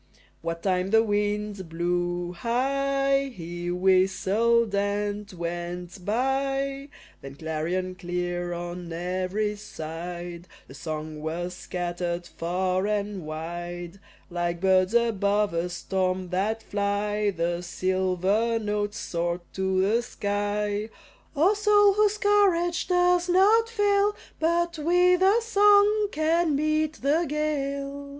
What time the wind blew high, he whistled and went by Then clarion clear on every side The song was scattered far and wide; Like birds above a storm that fly The silver notes soared to the sky, "O soul, whose courage does not fail But with a song can meet the gale."